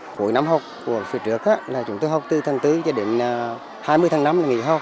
cuối năm học của phía trước là chúng tôi học từ tháng bốn cho đến hai mươi tháng năm là nghỉ học